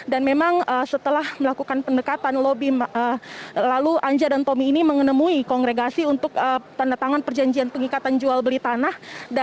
dan memang setelah melakukan pendekatan lalu anja dan tomi ini menemui kongregasi untuk tanda tangan perjanjian pengikatan jual beli tanah